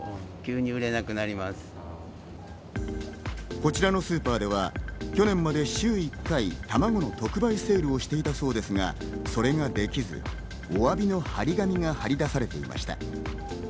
こちらのスーパーでは去年まで週１回、卵の特売セールをしていたそうですが、それができず、おわびの貼り紙が貼り出されていました。